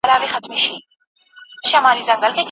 اورېدل د کلتوري اړیکو په پوهېدو کې.